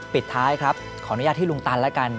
ปิดท้ายครับขออนุญาตที่ลุงตันแล้วกัน